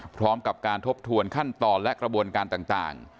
พร้อมกับการทบทวนขั้นตอนและกระบวนการต่าง